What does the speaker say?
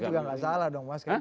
itu juga enggak salah dong mas